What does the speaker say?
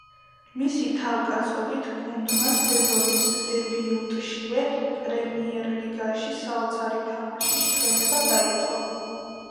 მისი თავკაცობით გუნდმა სეზონის დებიუტშივე პრემიერლიგაში საოცარი თამაშის ჩვენება დაიწყო.